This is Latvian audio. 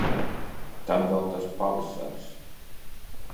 Tad vēl tas pavasaris...